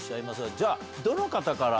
じゃあどの方から？